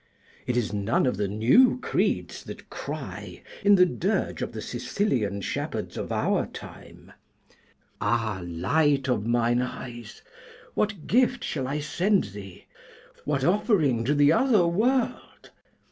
It is none of the new creeds that cry, in the dirge of the Sicilian shepherds of our time, 'Ah, light of mine eyes, what gift shall I send thee, what offering to the other world?